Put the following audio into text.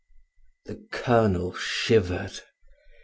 The colonel shivered.